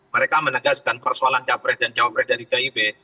mereka menegaskan persoalan capres dan cawapres dari kib